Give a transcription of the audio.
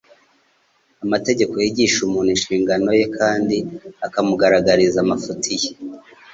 Amategeko yigisha umuntu inshingano ye kandi akamugaragariza amafuti ye.